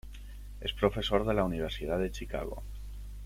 Es profesor de la Universidad de Chicago.